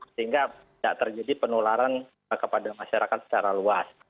sehingga tidak terjadi penularan kepada masyarakat secara luas